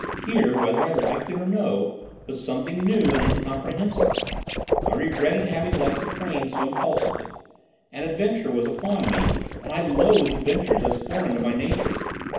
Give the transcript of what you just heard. Here, whether I liked it or no, was something new and incomprehensible. I regretted having left the train so impulsively. An adventure was upon me, and I loathed adventures as foreign to my nature.